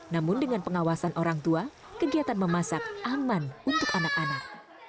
namun dengan pengawasan orang tua kegiatan memasak aman untuk anak anak